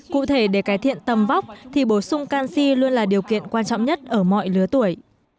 cụ thể để cải thiện tầm vóc thì bổ sung canxi luôn là điều kiện quan trọng nhất ở mọi lứa tuổi